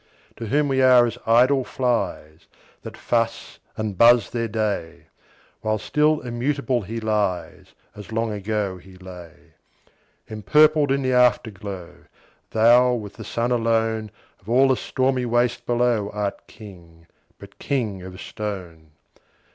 To whom we are as idle flies, That fuss and buzz their day; While still immutable he lies, As long ago he lay. Empurpled in the Afterglow, Thou, with the Sun alone, Of all the stormy waste below, Art King, but king of stone!